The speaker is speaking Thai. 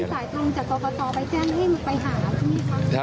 ตดังนั้นไม่มีสายตรงจากความต่อไปแจ้งที่มีไปหาที่นี่ค่ะ